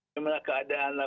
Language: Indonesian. bagaimana keadaan pertambangan